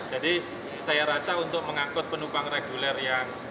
jadi saya rasa untuk mengangkut penumpang reguler yang